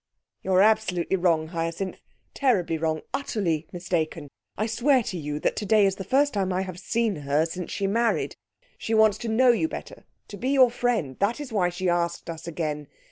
'You are absolutely wrong, Hyacinth. Terribly wrong utterly mistaken! I swear to you that today is the first time I've seen her since she married. She wants to know you better to be your friend. That is why she asked us again.